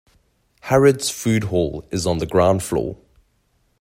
Harrods food hall is on the ground floor